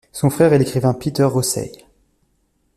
Son frère est l'écrivain Peter Rosei.